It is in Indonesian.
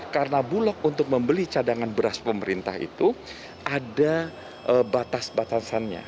karena bulog untuk membeli cadangan beras pemerintah itu ada batas batasannya